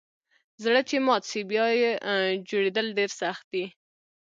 زړه چي مات سي بیا یه جوړیدل ډیر سخت دئ